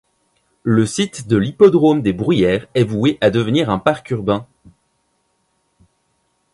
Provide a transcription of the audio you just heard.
Le site de l'hippodrome des Bruyères est voué à devenir un parc urbain.